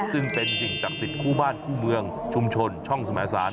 ซึ่งเป็นสิ่งศักดิ์สิทธิ์คู่บ้านคู่เมืองชุมชนช่องสมสาร